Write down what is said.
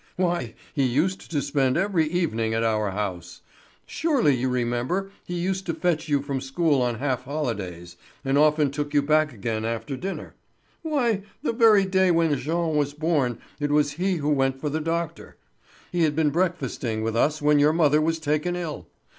Why, he used to spend every evening at our house. Surely you remember he used to fetch you from school on half holidays, and often took you back again after dinner. Why, the very day when Jean was born it was he who went for the doctor. He had been breakfasting with us when your mother was taken ill.